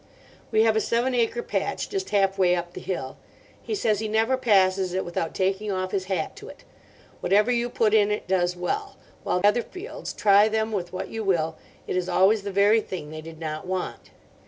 We have a seven acre patch just halfway up the hill. He says he never passes it without taking off his hat to it. Whatever you put in it does well; while other fields, try them with what you will, it is always the very thing they did not want.